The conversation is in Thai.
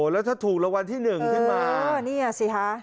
แล้วถ้าถูกละวันที่๑ถึงมา